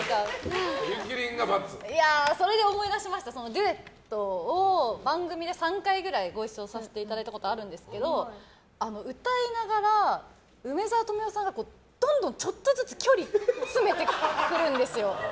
デュエットを番組で３回ぐらいご一緒させていただいたことあるんですけど歌いながら、梅沢富美男さんがどんどんちょっとずつ距離を詰めてくるんですよ。